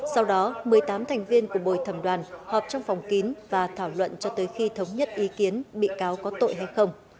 sau đó một mươi tám thành viên của bồi thẩm đoàn họp trong phòng kín và thảo luận cho tới khi thống nhất ý kiến bị cáo có tội hay không